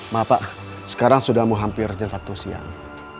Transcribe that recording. maaf pak sekarang sudah mau hampir jam satu siang